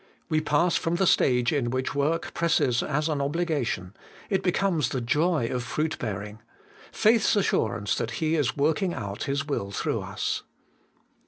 We pass from the stage in which work presses as an obligation ; it becomes the joy of fruit bearing ; faith's assurance that He is working out His will through us.